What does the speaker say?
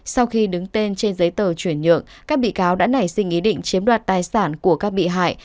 sau khi đứng tên trên giấy tờ chuyển nhượng các bị cáo đã nảy sinh ý định chiếm đoạt tài sản của các bị hại